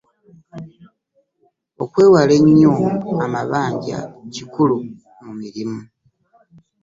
Okwewala ennyo amabanja kikulu mu mirimu.